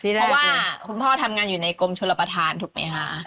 เพราะว่าคุณพ่อทำงานอยู่ในกรมชลประธานถูกไหมคะ